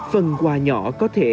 phần quà nhỏ có thể